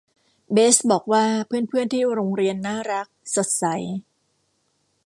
เบสบอกว่าเพื่อนเพื่อนที่โรงเรียนน่ารัก สดใส